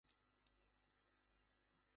কিন্তু সে নিজ পরিবারে ফেরত যেতে চায় না।